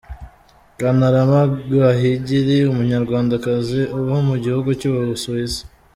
Kantarama Gahigiri, umunyarwandakazi uba mu gihugu cy'ubusuwisi.